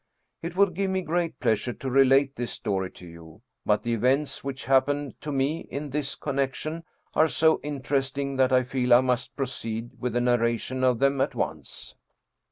It would give me great pleasure to relate this story to you, but the events which happened to me in this connection are so interesting that I feel I must proceed with the narration of them at once.